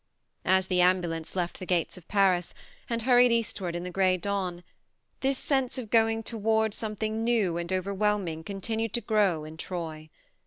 As the ambulance left the gates of Paris, and hurried eastward in the grey dawn, this sense of going toward something new and overwhelming continued to grow in Troy.